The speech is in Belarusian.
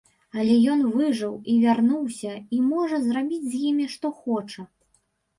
Але ён выжыў і вярнуўся і можа зрабіць з імі што хоча.